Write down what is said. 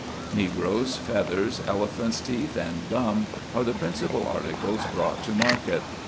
Negroes, feathers, elephants' teeth, and gum, are the principle articles brought to market.